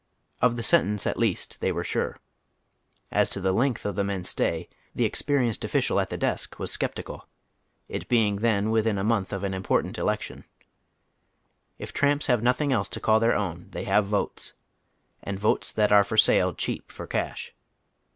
Of the sentence at least they were sure. As to the length of the men's stay the experienced official at the desk was scepti cal, it being then within a month of an important elec tion. If tramps have nothing else to call their own they have votes, and votes that are for sale cheap for cash.